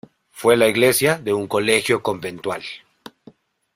Fue la iglesia de un colegio conventual.